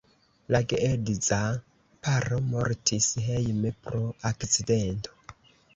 La geedza paro mortis hejme pro akcidento.